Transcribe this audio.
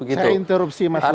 saya interupsi mas rudi